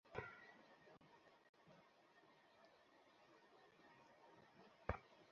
হ্যাঁ, তা বলি।